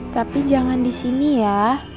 tapi jangan di sini ya